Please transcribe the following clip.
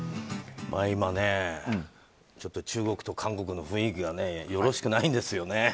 今、中国と韓国の雰囲気がよろしくないんですよね。